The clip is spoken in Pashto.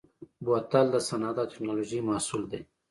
بوتل د صنعت او تکنالوژۍ محصول دی.